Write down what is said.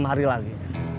menuju ke rumah saya